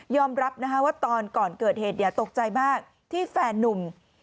รับนะคะว่าตอนก่อนเกิดเหตุตกใจมากที่แฟนนุ่ม